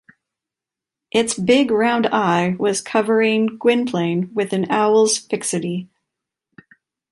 Its big round eye was covering Gwynplaine with an owl’s fixity.